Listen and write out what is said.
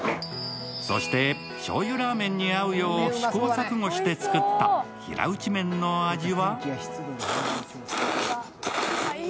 そしてしょうゆラーメンに合うよう試行錯誤して作った平打ち麺の味は？